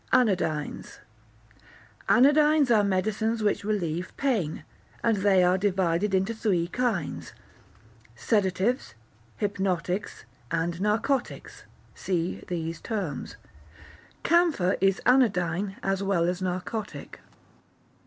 Anodynes Anodynes are medicines which relieve pain, and they are divided into three kinds, sedatives, hypnotics, and narcotics (see these terms); camphor is anodyne as well as narcotic.